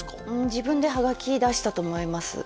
自分ではがき出したと思います